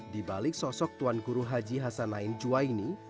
di balik sosok tuhan guru haji hasanain juwaini